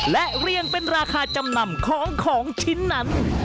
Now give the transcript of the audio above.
และเรียงเป็นราคาจำนำของของชิ้นนั้น